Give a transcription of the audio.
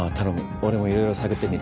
俺もいろいろ探ってみる。